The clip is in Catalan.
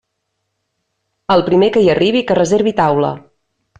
El primer que hi arribi que reservi taula.